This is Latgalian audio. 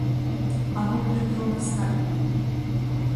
Ogūrču pylna skaline.